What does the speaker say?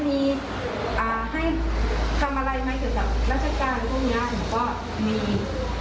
มีให้ทำอะไรไหมเกี่ยวกับราชการหรือคนงานผมก็มีอีก